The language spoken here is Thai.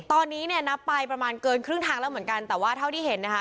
ตอนนี้เนี่ยนับไปประมาณเกินครึ่งทางแล้วเหมือนกันแต่ว่าเท่าที่เห็นนะคะ